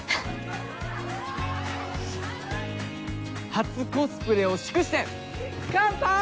初コスプレを祝してカンパイ！